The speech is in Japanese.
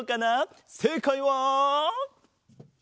せいかいは。